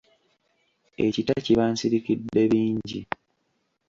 Ekita kiba nsirikiddebingi.